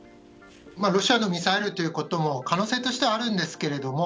ロシアのミサイルということも可能性としてはあるんですけども。